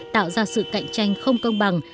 tạo ra sự cạnh tranh không công bằng